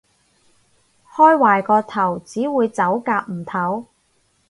開壞個頭，只會走夾唔唞